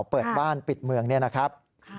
เปิดบ้านปิดเมืองนี่นะครับ